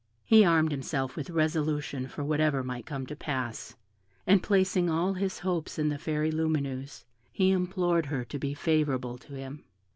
He armed himself with resolution for whatever might come to pass, and placing all his hopes in the Fairy Lumineuse, he implored her to be favourable to him.